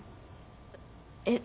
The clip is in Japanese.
えっ？